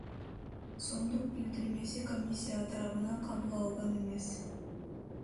сомдук билдирмеси комиссия тарабынан кабыл алынган эмес.